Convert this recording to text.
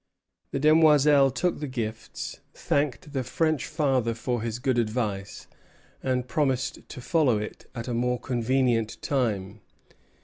The Demoiselle took the gifts, thanked his French father for his good advice, and promised to follow it at a more convenient time.